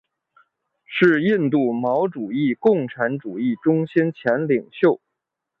是印度毛主义共产主义中心前领袖。